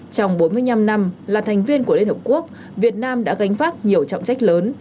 trong bốn mươi năm năm là thành viên của liên hợp quốc việt nam đã gánh vác nhiều trọng trách lớn